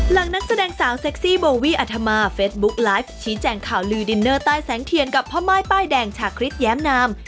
นักแสดงสาวเซ็กซี่โบวี่อัธมาเฟซบุ๊กไลฟ์ชี้แจงข่าวลือดินเนอร์ใต้แสงเทียนกับพ่อม่ายป้ายแดงชาคริสแย้มนาม